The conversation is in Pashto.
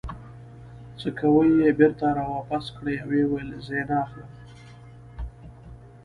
سکوې یې بېرته را واپس کړې او ویې ویل: زه یې نه اخلم.